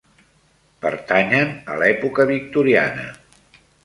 Pertanyen a l'època victoriana.